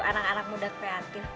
anak anak muda kreatif